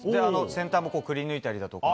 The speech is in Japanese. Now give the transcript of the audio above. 先端もくりぬいたりだとか。